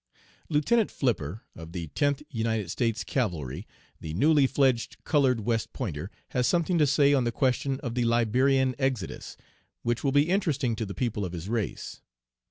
"Lieutenant Flipper, of the Tenth United States Cavalry, the newly fledged colored West Pointer, has something to say on the question of the Liberian Exodus, which will be interesting to the people of his race.